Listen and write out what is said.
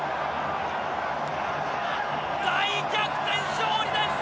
大逆転勝利です！